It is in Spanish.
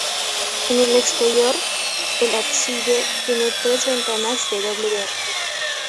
En el exterior, el ábside tiene tres ventanas de doble derrame.